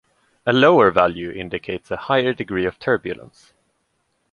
A lower value indicates a higher degree of turbulence.